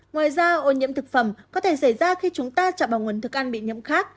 ngoài ra ô nhiễm thực phẩm có thể xảy ra khi chúng ta chạm vào nguồn thức ăn bị nhiễm khác